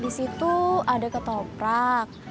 di situ ada ketoprak